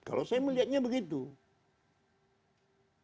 walaupun dia masuk dalam rumpun eksekutif